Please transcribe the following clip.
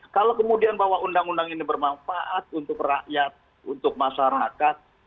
kalau kemudian bahwa undang undang ini bermanfaat untuk rakyat untuk masyarakat